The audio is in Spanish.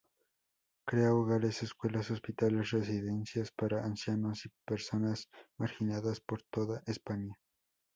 Crea hogares, escuelas, hospitales, residencias para ancianos y personas marginadas por toda España.